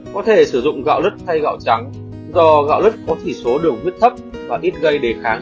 có thể sử dụng gạo lứt thay gạo trắng do gạo lứt có chỉ số đường huyết thấp và ít gây đề kháng